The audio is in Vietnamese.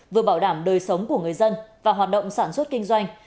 vừa bảo đảm đời sống của người dân và hoạt động sản xuất kinh doanh